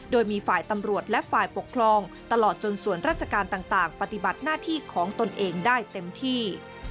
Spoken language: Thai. โดยมีฝ่ายตำรวจและฝ่ายปกครองตลอดจนส่วนราชการต่างปฏิบัติหน้าที่ของตนเองได้เต็มที่